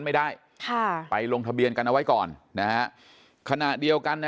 ไม่ได้ค่ะไปลงทะเบียนกันเอาไว้ก่อนนะฮะขณะเดียวกันนะ